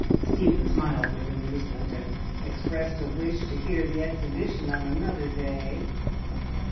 Stephen smiled with amusement, and expressed a wish to hear the exhibition on another day.